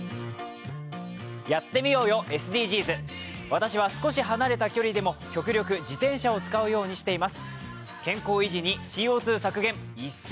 私は少し離れた距離でも極力自転車を使うようにしています